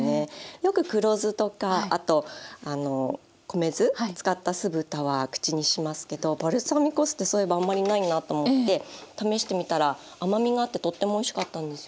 よく黒酢とかあと米酢使った酢豚は口にしますけどバルサミコ酢ってそういえばあんまりないなと思って試してみたら甘みがあってとってもおいしかったんですよね。